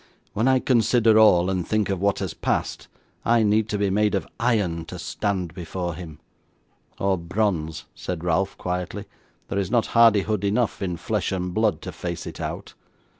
'When I consider all, and think of what has passed, I need be made of iron to stand before him.' 'Or bronze,' said Ralph, quietly; 'there is not hardihood enough in flesh and blood to face it out.